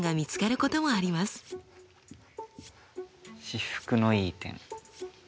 私服のいい点。